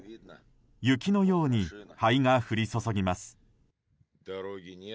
雪のように灰が降り注ぎます。